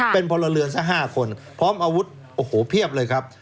เป็นพลเรือนซะ๕คนพร้อมอาวุธเพียบเลยครับ